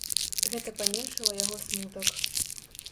Гэта паменшыла яго смутак.